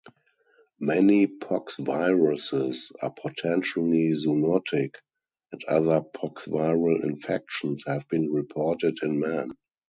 Many poxviruses are potentially zoonotic, and other poxviral infections have been reported in man.